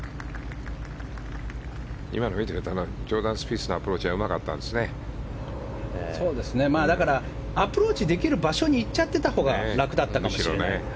今の見てるとジョーダン・スピースのアプローチはアプローチできる場所にいっちゃってたほうが楽だったかもしれない。